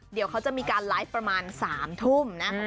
เดี๋ยวเขาจะมีการไลฟ์ประมาณ๓ทุ่มนะครับ